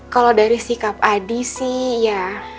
kalau dari sikap adi sih ya